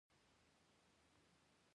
څه خبره ده ګرانه.